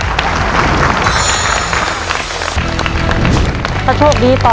คุณฝนจากชายบรรยาย